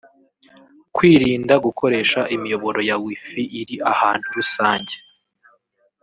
Kwirinda gukoresha imiyoboro ya Wi-Fi iri ahantu rusange